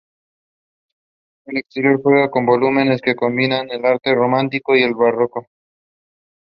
He replaced Jaan Uri.